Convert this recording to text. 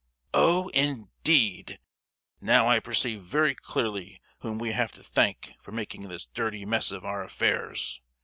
"Oh, indeed! Now I perceive very clearly whom we have to thank for making this dirty mess of our affairs!"